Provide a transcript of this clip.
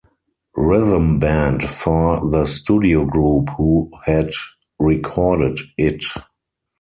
Rhythm Band for the studio group who had recorded it.